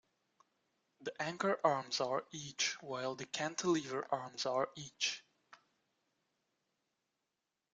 The anchor arms are each, while the cantilever arms are each.